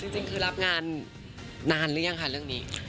จริงคือรับงานนานหรือยังค่ะเรื่องนี้